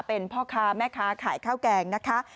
เป็นพ่อค้าแม่ค้าขายข้าวแกงนะคะ